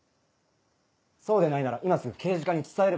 そうでないなら今すぐ刑事課に伝えればいい。